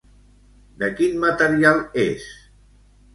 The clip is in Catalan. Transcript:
De quin material és?